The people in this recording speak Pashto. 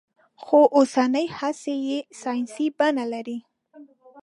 خو اوسنۍ هڅې يې ساينسي بڼه لري.